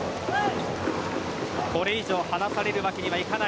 これ以上離されるわけにはいかない。